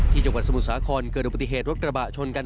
ที่จังหวัดสมุนสาขนเกิดปฏิเหตุรักษบะชนกัน